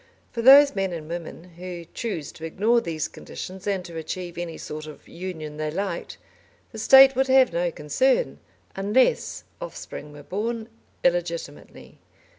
For those men and women who chose to ignore these conditions and to achieve any sort of union they liked the State would have no concern, unless offspring were born illegitimately.